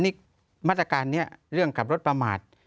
นี่มาตรการนี้เรื่องขับรถประมาท